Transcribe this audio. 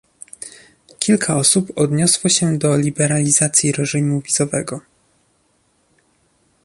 Kilka osób odniosło się do liberalizacji reżimu wizowego